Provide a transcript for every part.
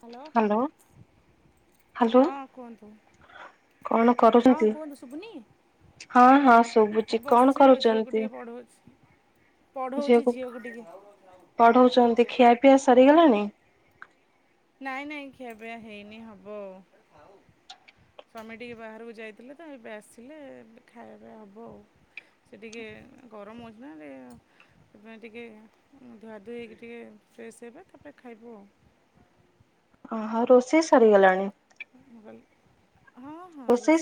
Hello hello ହଁ କୁହନ୍ତୁ। କଣ ହଁ କରୁଛନ୍ତି? କୁହନ୍ତୁ ଶୁବୁନି? ହଁ ହଁ ଶୁଭୁଛି ଏ କଣ ବସିଛି ଆଉ ଝିଅକୁ କରୁଛନ୍ତି? ଟିକେ ପଢଉଛି। ପଢଉଛି ଝିଅକୁ ଟିକେ। ପଢଉଛନ୍ତି ଖିଆ ପିଆ ସରିଗଲାଣି? ନାଇଁ ନାଇଁ ଖିଆପିଆ ହେଇନି ହବ। ସ୍ୱାମୀ ଟିକେ ବାହାରକୁ ଯାଇଥିଲେ ତ ଏବେ ଆସିଲେ ଖାଇବା ହବ ଆଉ। ସେ ଟିକେ ଗରମ ହଉଛି ନା ଟିକେ ସେଥିପାଇଁ ଟିକେ ଧୁଆଧୁଇ ହେଇକି ଟିକେ ଫ୍ରେସ୍ ହେବେ ତାପରେ ଖାଇବୁ ଆଉ। ଓ ହୋ ରୋଷେଇ ସରିଗଲାଣି? ମୁଗଲ ରୋଷେଇ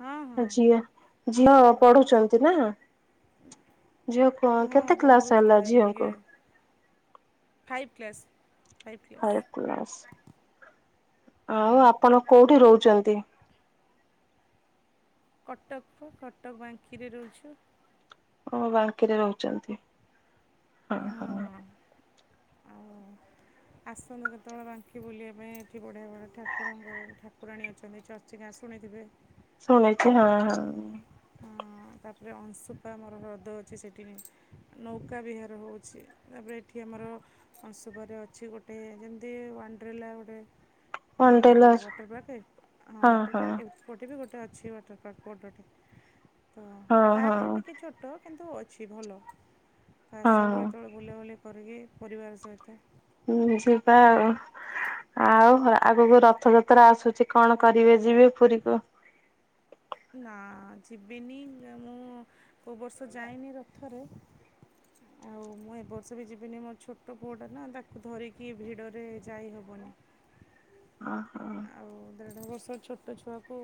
ହଁ ହଁ ଝିଅ ଝିଅ ରୋଷେଇ ସରିଯାଇଛି। ପଢୁଛନ୍ତି ନା? ଝିଅ କ ହଁ କେତେ କ୍ଲାସ୍ ପଢ଼ଉଥିଲି ହେଲା ତାକୁ ଝିଅଙ୍କୁ? ଟିକେ ଫାଇଭ୍ କ୍ଲାସ୍। Five class. ଆଉ ହଁ। ଆପଣ କୋଉଠି ରହୁଛନ୍ତି? କଟକ କୁ କଟକ ବାଙ୍କିରେ ରହୁଛୁ। ହଁ ବାଙ୍କିରେ ରହୁଛନ୍ତି ହଁ ହଁ। ଆଉ ଆସନ୍ତୁ କେତେବେଳେ ବାଙ୍କି ବୁଲିବା ପାଇଁ ଏଠି ବଢିଆ ବଢ଼ ଠାକୁରଙ୍କ ଠାକୁରାଣୀ ଅଛନ୍ତି ଚ [inaudible] ଶୁଣିଥିବେ? ଶୁଣଛି ହଁ ହଁ। ହଁ। ତାପରେ ଅଂଶୁପା ଆମର ହ୍ରଦ ଅଛି ସେଠିି ନୌକା ବିହାର ହେଉଛି ତାପରେ ଏଠି ଆମର ଅଂଶୁପା ରେ ଅଛି ଗୋଟେ ଯେମିତି ୱାଣ୍ଡ୍ରେଲା ଗୋଟେ। କଣ ଆମର ଟେଲର ୱାଟର ପାର୍କ୍ ହଁ ୱାଟର୍ ପାର୍କ ଏପଟେ ବି ଗୋଟେ ଅଛି ୱାଟର ପାର୍କ ବଡଟେ। ହଁ ତାଠୁ ହଁ ଟିକେ ଛୋଟ କିନ୍ତୁ ଅଛି ଭଲ ତ ହଁ ଆସନ୍ତୁ କେତେବେଳେ ବୁଲାବୁଲି କରିକି ପରିବାର ସହିତ। ହୁଁ ଯିବା ଆଉ। ଆଉ ଆଗକୁ ରଥଯାତ୍ରା ଆସୁଛି କଣ କରିବେ ଯିବେ ପୁରୀକୁ? ନା ଯିବିନି ମୁଁ କେଉଁ ବର୍ଷ ଯାଇନି ରଥରେ। ଆଉ ମୁଁ ଏବର୍ଷ ବି ଯିବିନି ମୋ ଛୋଟ ପୁଅଟା ନା ତାକୁ ଧରିକି ଭିଡ଼ରେ ଯାଇ ହବନି। ଓହୋ। ଦେଢ଼ ବର୍ଷ ଛୋଟ ଛୁଆକୁ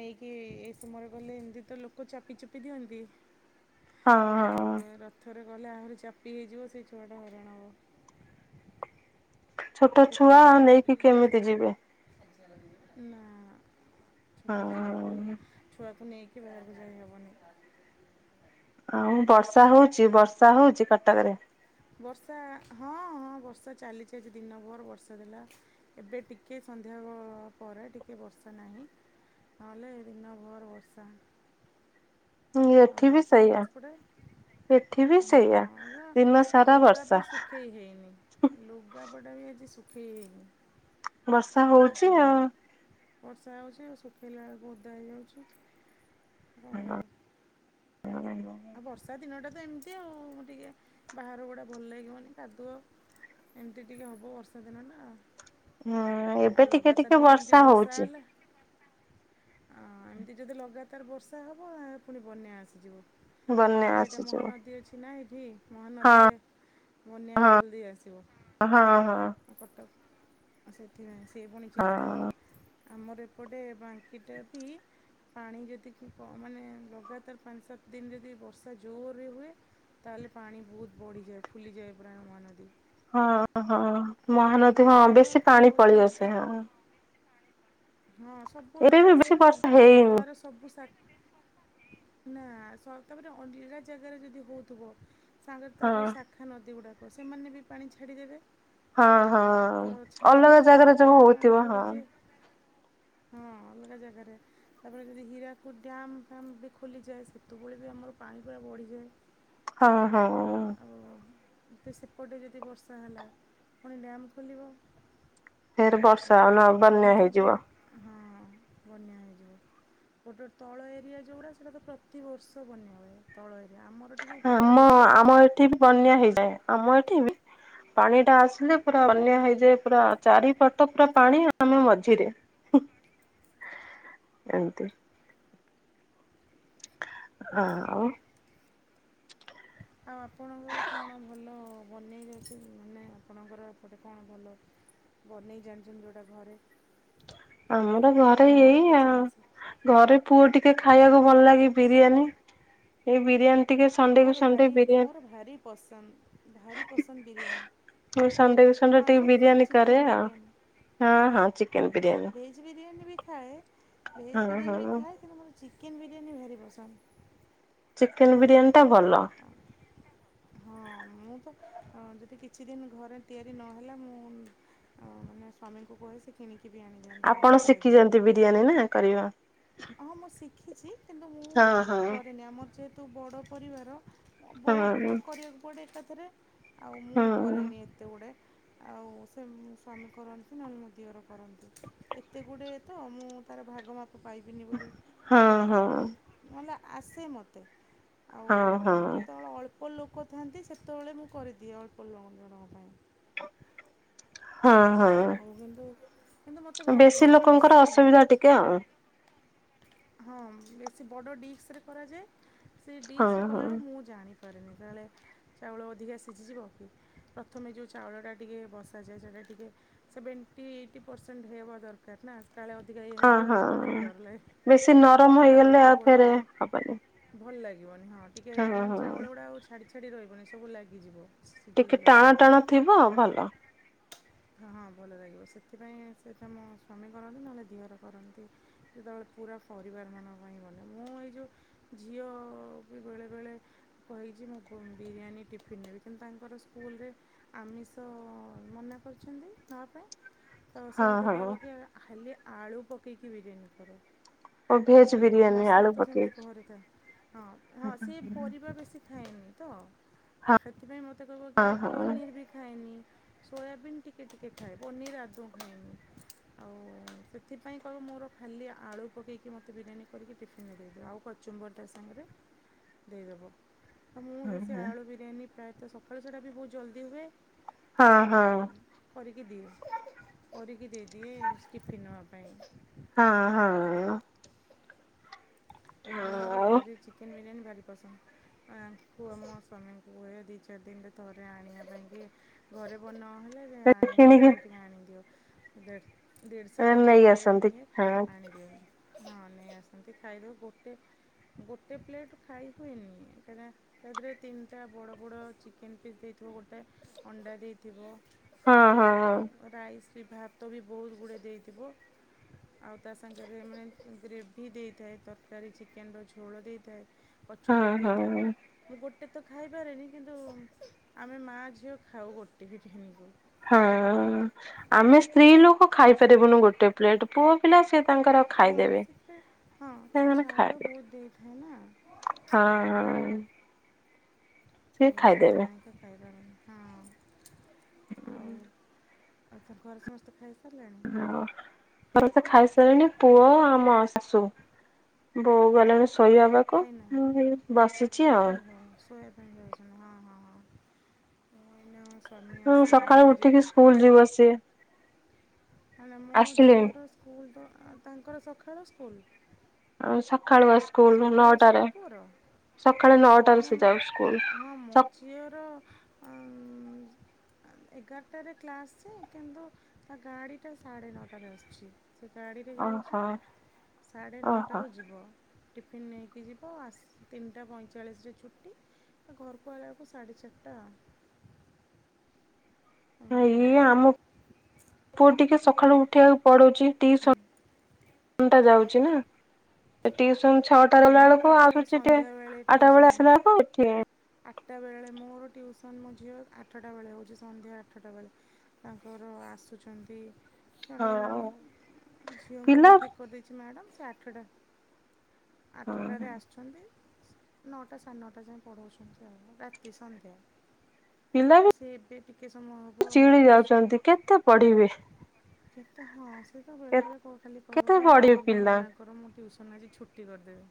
ନେଇକି ଏଇ ସମୟରେ ଗଲେ ଏମିତି ତ ଲୋକ ଚାପି ଚୁପି ଦିଅନ୍ତି। ହଁ ହଁ ଆଉ ରଥରେ ଗଲେ ଆହୁରି ଚାପି ହେଇଯିବ ସେଇ ଛୁଆଟା ହଇରାଣ ହବ। ଛୋଟ ଛୁଆ ନେଇକି ସେଥିପାଇଁ କେମିତି ଯିବେ। ନା ହଁ ଛୋଟ ଛୁଆ ଙ୍କୁ ନୁହଁ। ଛୁଆକୁ ନେଇକି ବାହାରକୁ ଯାଇହବନି। ଆଉ ବର୍ଷା ହଉଛି, ବର୍ଷା ହଉଛି କଟକରେ? ବର୍ଷା ହଁ ହଁ ବର୍ଷା ଚାଲିଛି ଆଜି ଦିନଭର ବର୍ଷା ଥିଲା। ଏବେ ଟିକିଏ ସନ୍ଧ୍ୟା ପରେ ଟିକିଏ ବର୍ଷା ନାହିଁ। ତାହାଲେ ଦିନ ଭର ବର୍ଷା। ଏଠି ଆଉ ବି ଆପଣଙ୍କ ସେଇଆ ସେପଟେ? ଏଠି ବି ସେଇଆ। ହଁ ଯ ଦିନ ସାରା ଲୁଗା ବର୍ଷା ବି ସୁଖେଇ ହେଇନି। ଲୁଗାପଟା ବି ଆଜି ଶୁଖେଇ ହେଇନି। ବର୍ଷା ଆଉ କଣ ହଉଛି କରିବ ଆଉ। ବର୍ଷା ହଉଛି ଆଉ ଶୁଖେଇଲା ବେଳକୁ ଓଦା ହେଇଯାଉଛି। କଣ କରିବ? ଆ ବର୍ଷା ଦିନଟା ତ ଏମିତି ଆଉ। ଟିକେ ବାହାର ଗୁଡ଼ା ଭଲ ଲାଗିବନି କାଦୁଅ। ଏମିତି ଟିକେ ହବ ବର୍ଷା ଦିନ ଟା ଆଉ। ହଁ ଏବେ ଆଉ ଟିକେ ଟିକେ ଲଗାତାର ଯଦି ଏମିତି ବର୍ଷା ହଉଛି ହେଲା ଆଁ, ଏମିତି ଯଦି ଲଗାତାର ବର୍ଷା ହବ ପୁଣି ବନ୍ୟା ଆସିଯିବ। ବନ୍ୟା ଆମର ଏଇଟା ଆସୁଛି। ମହାନଦୀ ଅଛି ନା ଏଇଠି। ହଁ ମହାନଦୀରେ ବନ୍ୟା ଜଲ୍ଦି ଆସିବ। ହଁ ହଁ ଉ କଟକ ସେଥିପାଇଁ ସେ ପୁଣି ଚିନ୍ତା। ହଁ। ଆମର ଏପଟେ ବାଙ୍କିଟା ବି ପାଣି ଯଦି କ ମାନେ ଲଗାତାର ପାଞ୍ଚ ସାତ ଦିନି ଯଦି ବର୍ଷା ଜୋରରେ ହୁଏ, ତାହେଲେ ପାଣି ବହୁତ ବଢ଼ିଯାଏ, ଫୁଲିଯାଏ ପୁରା ମହାନଦୀ। ହଁ ହଁ ଆଉ ମହାନଦୀ ହଁ ଦେଖିବା ବେଶୀ କ'ଣ ପାଣି ହେଉଛି ପଲେଇ ଆସେ ଏମିତି ହଁ। ହଁ ସବୁ ଏବେ ଆଡୁ ବି ବେଶୀ ଆସେନା, ବର୍ଷା ହେଇନି ତାର ସବୁ [unintelligible] ତାପରେ ଅଲଗା ଜାଗାରେ ଯଦି ହଉଥିବ? ସାଙ୍ଗରେ ତା ହଁ ଯେଉଁ ଶାଖା ନଦୀ ଗୁଡ଼ାକ, ସେମାନେ ବି ପାଣି ଛାଡ଼ିଦେବେ। ହଁ ହଁ ତ ଅଲଗା ଛାଡ଼ିଦେଲା ଜାଗାରେ ପରେ ଯୋଉ ପାଣି ହଉଥିବ ହଁ ବଢିଯାଏ। ହଁ ଅଲଗା ଜାଗାରେ, ତାପରେ ଯଦି ହୀରାକୁଦ ଡ୍ୟାମ ଫ୍ୟାମ ବି ଖୋଲିଯାଏ ସେତେବେଳେ ଯୋଉ ଆମର ପାଣି ପୁରା ବଢ଼ିଯାଏ। ହଁ ହଁ। ଆଉତ ସେପଟେ ଯଦି ବର୍ଷା ହେଲା, ପୁଣି ଡ୍ୟାମ୍ ଖୋଲିବ। ଫେରେ ବର୍ଷା ଆଉ ନ ବନ୍ୟା ସେମିତି ହୁଏ ହେଇଯିବ। ହଁ ବନ୍ୟା ହେଇଯିବ, ଗୋଟେ ତଳ ଏରିଆ ଯେଉଁଗୁଡ଼ା ସେଇଟା ତ ପ୍ରତିବର୍ଷ ବନ୍ୟାହୁଏ ତଳ ଏରିଆ, ଆମର ଟିକେ ଉପର ଆମ ଏରିଆ ଆମ ଏଠି ବି ବନ୍ୟା ଯେଉଁଟା ହେଇଯାଏ, ଆମ ଏଠି ବି ପାଣି ଟା ଆସିଲେ ପୁରା ବନ୍ୟା ହେଇଯାଏ। ପୁରା ଚାରିପଟ ପୁରା ପାଣି ଆମେ ମଝିରେ। ହୁଁ ଏମତି। ଆଉ। ଆଉ ଆପଣଙ୍କର କଣ ଭଲ ବନେଇ [unintelligible] ମାନେ ଆପଣଙ୍କର ଏପଟେ କଣ ଭଲ? ବନେଇ ଜାଣିଛନ୍ତି ଯୋଉଟା ଘରେ? ଆମର ଘରେ ନୂଆ ଏଇ କିଛି ଆଉ। ଜିନିଷ ଘରେ ପୁଅ ଟିକେ ଖାଇବାକୁ ଭଲ ଲାଗେ ବିରିୟାନୀ। ଏଇ ବିରିୟାନୀ ଟିକେ ସଣ୍ଡେ କୁ ମୋର ସଣ୍ଡେ ଭାରି ମୋର ବିରିୟାନୀ ଭାରି ପସନ୍ଦ, ଭାରି ପସନ୍ଦ ବିରିୟାନୀ। ମୁଁ ସଣ୍ଡେକୁ ସଣ୍ଡେ ହଁ ଟିକେ ସାର୍ ବିରିୟାନୀ କରେ ଚିକେନ୍ ଆଉ, ବିରିୟାନୀ ହଁ ହଁ ଚିକେନ ବିରିୟାନୀ। ଭେଜ୍ ବିରିୟାନୀ ବି ଖାଏ, ଭେଜ୍ ହଁ ବିରିୟାନୀ ବି ହଁ। ଖାଏ, କିନ୍ତୁ ମୋର ଚିକେନ୍ ବିରିୟାନୀ ଭାରି ପସନ୍ଦ। ଚିକେନ ବିରିୟାନୀ ଟା ଭଲ। ହଁ ମୁଁ ତ ଯଦି କିଛି ଦିନ ଘରେ ତିଆରି ନହେଲା ମୁଁ ତ ମାନେ ସ୍ୱାମୀଙ୍କୁ କୁହେ ସେ କିଣିକି ବି ଆଣିଦିଅନ୍ତି ଆପଣ ଆମେ ଖାଇଦଉ। ଶିଖିଛନ୍ତି ବିରିୟାନୀ ନା କରିବ। ହଁ ମୁଁ ଶିଖିଛି କିନ୍ତୁ ମୁଁ ହଁ ହଁ। କରେନି, ଆମର ଯେହେତୁ ବଡ଼ ପରିବାର। ହଁ ବହୁତ କରିବାକୁ ପଡ଼େ ଏକାଥରେ, ଆଉ ମୁଁ ହଁ କରେନି ଏତେ ଗୁଡେ ଆଉ ସେ ସ୍ୱାମୀ କରନ୍ତି, ନହେଲେ ମୋ ଦିଅର କରନ୍ତି, ଏତେ ଗୁଡ଼ିଏ ତ ମୁଁ ତାର ଭାଗ ମା ପାଇବିନି ବୋଲି ହଁ କରେନି ହଁ। ନହେଲେ ଆସେ ମୋତେ ଆଉ ହଁ ହଁ ଯେତେବେଳେ ଅଳ୍ପ ଅଳ୍ପ ଲୋକ ଥାଆନ୍ତି ସେତେବେଳେ ମୁଁ କରିଦିଏ ଅଳ୍ପ ଲ ଜଣଙ୍କ ପାଇଁ ହଁ ଆଉ କିନ୍ତୁ କିନ୍ତୁ ମୋତେ ହଁ ଭାରି ବେଶୀ ଭଲ ଲୋକଙ୍କର ପସନ୍ଦ ଅସୁବିଧା ବହୁତ ଟିକେ ଆଉ [inaudible] ହଁ ବେଶୀ ବଡ ଡିଶ୍ ରେ କରାଯାଏ ସେ ହଁ ଡିସରେ ହଁ କଲାଏଳକୁ ମୁଁ ଜାଣିପାରେନି କାଳେ ଚାଉଳ ଅଧିକା ସିଝିଯିବ କି ପ୍ରଥମେ ଯେଉ ଚାଉଳଟା ଟିକେ ବସାଯାଏ ସେଇଟା ଟିକେ ସେଭେଣ୍ଟି ଏଇଟି ପରସେଣ୍ଟ ହେବା ଦରକାର ନା କାଳେ ଅଧିକା ଇଏ ହେଇଯିବ କି ହଁ ମୋତେ ଟିକେ ହଁ। ଡର ଲାଗେ ବେଶୀ ନରମ ଆଉ ହେଇଗଲେ ଏତେ ବଡ଼ ଫେରେ ହବନି ଭଲ ଲାଗିବନି ହଁ ଟିକେ ହଁ ମାନେ ହଁ। ଚାଉଳ ଗୁଡା ଆଉ ଛାଡ଼ି ଛାଡ଼ି ରହିବନି ସବୁ ଲାଗିଯିବ। ଟିକେ ସିଝିଗଲେ ଟାଣ ଅଧିକା। ଟାଣ ଥିବ ଭଲ ହଁ ହଁ ଭଲ ଲାଗିବ ସେଥିପାଇଁ ସେ କାମ ସ୍ୱାମୀ କରନ୍ତି ନହେଲେ ଦିଅର କରନ୍ତି। ଯେତେବେଳେ ପୁରା ପରିବାରମାନଙ୍କ ପାଇଁ ଗଲା ମୁଁ ଏଇ ଯେଉଁ ଝିଅ ବି ବେଳେବେଳେ କହିଛି ମୁଁ ଫୁ ବିରିୟାନୀ ଟିଫିନ୍ ନେବି କିନ୍ତୁ ତାଙ୍କର ସ୍କୁଲରେ ଆମିଷ ମନା କରିଛନ୍ତି ନଆ ପାଇଁ ତ ହଁ ସେ ମତେ ହଁ। କହିବ କି ଆ ଖାଲି ଆଳୁ ପକେଇକି ବିରିୟାନୀ କର। ଓ ତ ଭେଜ ବିରିୟାନୀ ମସଲା ଆଳୁ ତ ସେମିତି ପକେଇକି ଘରେ ଥାଏ ହଁ ହଁ ସେ ପରିବା ବେଶୀ ଖାଏନି ତ ସେଥିପାଇଁ ମୋତେ କହିବ କି ହଁ ଆଉ ହଁ ପନିର ବି ଖାଏନି। ସୋୟାବିନ୍ ଟିକେ ଟିକେ ଖାଏ ପନିର ଆଦୌ ଖାଏନି ଆଉ ସେଥିପାଇଁ କହିବ ମୋର ଖାଲି ଆଳୁ ପକେଇକି କି ମୋତେ ବିରିୟାନୀ କରିକି ଟିଫିିନରେ ଦେଇଦେବେ ଆଉ କଚୁମ୍ବର ତା ସାଙ୍ଗରେ ଦେଇଦେବ ତ ମୁଁ ହଁ ସେ ସେ ହଁ। ଆଳୁ ବିରିୟାନୀ ପ୍ରାୟତଃ ସକାଳୁ ସେଇଟା ବି ବହୁତ ଜଲ୍ଦି ହୁଏ ହଁ ଆଉ ହଁ କରିକି ଦିଏ କରିକି ଦେଇଦିଏ ଟିଫିନ୍ ନବା ପାଇଁ। ହଁ ହଁ। ମୋର ଆଉ ଭାରି ଚିକେନ ବିରିୟାନୀ ଭାରି ପସନ୍ଦ। ଆ କୁଅ ମୋ ସ୍ୱାମୀଙ୍କୁ ହୁଏ ଦୁଇ ଚାରି ଦିନରେ ଥରେ ଆଣିବା ପାଇଁକି ଘରେ ବନ ନହେଲେ ଆଣିଆକୁ କିଣିକି କହେ ଟିକ ଆଣିଦିଅ ଦେଖ ଦେଢ଼ଶ ଟଙ୍କା ନେଇ ପ୍ଲେଟ୍ ଆସନ୍ତି ନିଏ ହଁ ଆଣିଦିଅନ୍ତି ହଁ ନେଇ ଆସନ୍ତି ଖାଇଦଉ ଗୋ ଟେ ଗୋଟେ ପ୍ଲେଟ୍ ଖାଇ ହୁଏନି ତବା ତା ଦେହରେ ତିନିଟା ବଡ଼ ବଡ଼ ଚିକେନ ପିସ୍ ଦେଇଥିବ ଗୋଟେ ଅଣ୍ଡା ଦେଇଥିବ। ହଁ ଆଉ ହଁ ରାଇସ୍ ବି ଭାତ ବି ବହୁତ ଗୁଡ଼ିଏ ଦେଇଥିବ। ଆଉ ତା ସାଙ୍ଗରେ ମାନେ ଗ୍ରେଭି ଦେଇଥାଏ ତର କାରୀ ଚିକେନ୍ ର ଝୋଳ ଦେଇଥାଏ ହଁ କଚୁମ୍ବର ହଁ ଦେଇଥାଏ ମୁ ଗୋଟେ ତ ଖାଇପାରେନି କିନ୍ତୁ ଆ ଆମେ ମାଆ ଝିଅ ଖାଉ ଗୋଟି ହେଟି ହେନି କୁ। ହଁ ଆମେ ସ୍ତ୍ରୀ ଲୋକ ଖାଇପାରିବୁନୁ ଗୋଟେ ପ୍ଲେଟ ପୁଅ ପିଲା ସିଏ ତାଙ୍କର ହଁ ଖାଇଦେବେ। ସେଟା ହଁ ସେ ସେମାନେ ଚାଉଳ ଖାଇବେ ବହୁତ ଦେଇଥାଏ ନା। ହଁ ହଁ। ସିଏ ଆଉ ଖାଇଦେବେ ସେଥିପାଇଁକା ଖାଇପାରୁନି ହଁ ଆଉ ଆଉ ତୋର ଘରେ ସମସ୍ତେ ଖାଇସାରିଲେଣି? ହଁ ମାନେ ତ ଖାଇସାରିଲେଣି ପୁଅ ଆମ ଶାଶୁ, ବୋଉ ଗଲେଣି ଶୋଇବା ପାକ୍ ଖାଇନା ଓହୋଶ୍ [unintelligible] ସେ ସକାଳୁ ଉଠିକି ସ୍କୁଲ ଯିବ ସିଏ ଆ ନା ମୋ ଆସିଲେଣି। ଝିଅର ସ୍କୁଲ ତ ତାଙ୍କର ସକାଳ ସ୍କୁଲ। ଆଉ ସଖାଳୁଆ ସ୍କୁଲ ସକାଳ ନଅଟାରେ ସ୍କୁଲ ପୁଅର ସକାଳ ନଅଟରୁ ନା ସେ ମୁଁ ଯାଉ ସ୍କୁଲ। ହଁ ମୋ ଝିଅର ଆଁ ଏଗାରଟାରେ କ୍ଲାସ୍ଛି କିନ୍ତୁ ତା ଗାଡ଼ିଟା ସାଢ଼େ ନଅଟାରେ ଆସୁଛି। ସେ ଗାଡ଼ିରେ ଯାଉଚି ଓହୋ ସାଢ଼େ ଓହୋ। ନଅଟାରୁ ଯିବ। ଟିଫିନ୍ ନେଇକି ଯିବ ଆସ ତିନିଟା ପଇଁଚାଳିଶରେ ଛୁଟି। ଘରକୁ ଆଇବାକୁ ସାଢ଼େ ଚାରିଟା। ଏମିତି ଇଏ ଆଉ ଆମ ପୁଅ ଟିକେ ସକାଳୁ ଉଠେଇବାକୁ ପଡୁଚି। ଟି ଟୁଇସନ୍ ଟା ଯାଉଚି ନା। ଟିଉସନ ଛଅଟା ହଁ ବେଳେ ମୁଁ ବେଳକୁ ଝିଅ ଆସୁଚି ଟିକେ ସନ୍ଧ୍ୟାବେଳେ ଆଠଟା ବେଳେ ଟ୍ୟୁସନ୍ ଆସିଲା ବେଳକୁ ଟିକେ ଆଠଟା ବେଳେ ମୋର ଟ୍ୟୁସନ୍ ମୋ ଝିଅ ଆଠଟା ବେଳେ ହେଉଛି ସନ୍ଧ୍ୟା ଆଠଟା ବେଳେ। ତାଙ୍କର ଆସୁଛନ୍ତି ଜଣେ ହଁ ଝିଅଙ୍କୁ ପିଲା ମୁଁ ହଁ ଠିକ୍ କରିଦେଇଚି ମ୍ୟାଡ଼ାମ୍ ସେ ଆଠଟା ଆଠଟାରେ ଆସୁଛନ୍ତି ନଅଟା ସାଢ଼େ ନଅଟା ଯାଏଁ ପଢଉଚନ୍ତି। ଏତି ରାତି ସନ୍ଧ୍ୟା। ପିଲା ବି ସେ ଏବେ ଟିକେ ସମ ଚିଡ଼ି ଯାଉଚନ୍ତି କେତେ ପଢିବେ? କେତେ ହଁ ସେ ତ ବେଳେ ବେଳେ କ ଖାଲି କହିବ କେତେ କି ପଢିବେ ମ୍ୟାଡ଼ମକୁ ପିଲା ମନା କ କର ମୁଁ ଟ୍ୟୁସନ୍ ଆଜି ଛୁଟି କରିଦେବି।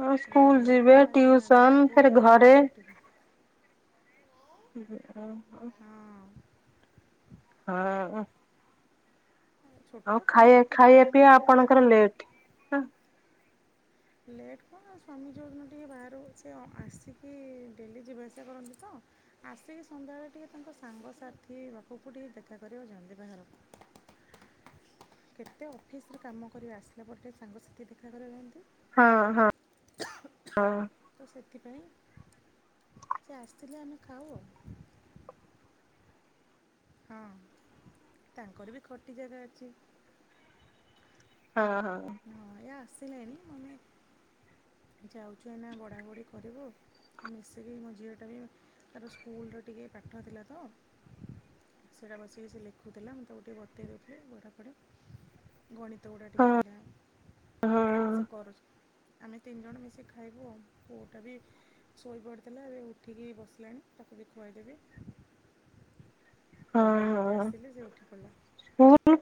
ହଁ ସ୍କୁଲ ବେଳେବେଳେ ଯିବେ କହିବ ଆଜି ମ୍ୟାଡ଼ାମକୁ ଟିୁସନ ପୁଅ ଫେରେ ଟ୍ୟୁସନ୍ ଘରେ। ଛୁଟି [inaudible] ହଁ ହଁ ଉଁ। ଛୋଟ ଆଉ ଖାଇ ପିଲା କେତେ ଖାଇବା ଆମ ପିଇବା ବେଳେ ଆମେ ଆପଣଙ୍କର ଏତେ ଲେଟ୍। ହଁ ଲେଟ୍ କଣ ଆ ସ୍ୱାମୀ ଯୋଉଦିନ ଟିକେ ବାହାରୁ ସେ ଆସିକି ଡେଲି ଯିବା ଆସିବା କରନ୍ତି ତ ଆସିକି ସନ୍ଧ୍ୟାବେଳେ ଟିକେ ତାଙ୍କ ସାଙ୍ଗସାଥି ପାଖକୁ ଟିକେ ଦେଖା କରିବାକୁ ଯାଆନ୍ତି ବାହାରକୁ କେତେ ଅଫିସରେ କାମ କରିବା ଆସିଲା ପରେ ଟିକେ ସାଙ୍ଗସାଥି ଦେଖା କରିଆକୁ ଯାନ୍ତି। ହଁ ହଁ ହଁ। ତ ସେଥିପାଇଁ ସେ ଆସିଥିଲେ ଆମେ ଖାଉ। ହଁ ତାଙ୍କର ବି ଖଟି ଜାଗା ଅଚି। ହଁ ହଁ। ହଁ ଏଇ ଆସିଲେଣିି ଆମେ ଯାଉଚୁ ଏନା ବଢ଼ା ବଢ଼ି କରିବୁ। ମୁଁ ମିଶିକି ମୋ ଝିଅଟା ବି ତାର ସ୍କୁଲ୍ର ଟିକେ ପାଠ ଥିଲା ତ। ସେଇଟା ବସିକି ସେ ଲେଖୁଥିଲା, ମୁଁ ତାକୁ ଟିକେ ବତେଇ ଦେଉଥିଲେ [unintelligible] ଗଣିତ ଗୁଡ଼ା ହଁ ଟିକେ ହଁ [unintelligible] ସେ କରୁ ଆମେ ତିନି ଜଣ ମିଶିକି ଖାଇବୁ, ଆଉ କୋଉଟା ବି ଶୋଇ ପଡ଼ିଥିଲା ଏବେ ଉଠିକି ବସିଲାଣି ତାକୁ ଏବେ ଖୁଆଇଦେବି। ତ ବାବା ଯେମିତି ଆସିଲେ ସେ ଉଠି ପଡିଲା। ସ୍କୁଲ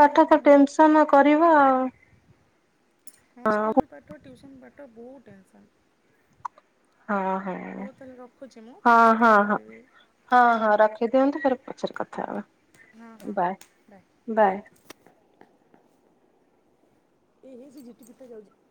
ପାଠ ମୁଁ ତ ଟେନସନ କରିବ ଆଉ। ହଁ ସ୍କୁଲ ପାଠ ଟ୍ୟୁଇସନ୍ ପାଠ ବୋହୁତ ଟେନସନ୍। ହଁ ହଁ ହଉ ତାହେଲେ ରଖୁଛି ମୁଁ ହଁ ପଛରେ ହଁ ପୁଣି ହଁ। କରିବି ହଁ ହଁ ରଖି ଦିଅନ୍ତୁ ପରେ ପଛରେ କଥା ହଁ ହେବା, ହଁ ହଁ ହଁ ବାଏ ବାଏ। ଏଇ ସେ ଝିଟି ପିଟି ଟା [unintelligible]